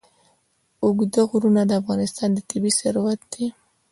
اوږده غرونه د افغانستان طبعي ثروت دی.